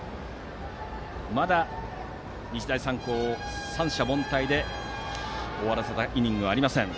まだ日大三高を三者凡退で終わらせたイニングはありません。